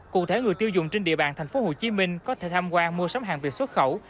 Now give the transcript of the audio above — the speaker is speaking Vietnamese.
cụ thể người tiêu dùng trên địa bàn tp hcm có thể tham quan mua sắm hàng việc xuất khẩu